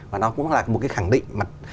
và nó cũng là một cái khẳng định mặt